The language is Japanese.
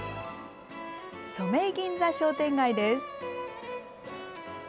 染井銀座商店街です。